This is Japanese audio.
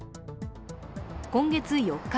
今月４日